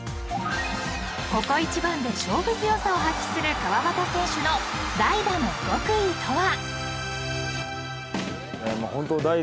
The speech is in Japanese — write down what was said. ［ここ一番で勝負強さを発揮する川端選手の代打の極意とは］